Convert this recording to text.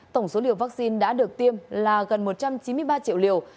tổng số liều vaccine đã được tiêm là gần một trăm chín mươi ba triệu liều